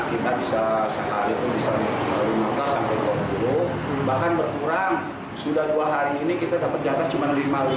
kita bisa sehari itu bisa bahkan berkurang sudah dua hari ini kita dapat jatah cuman lima puluh lima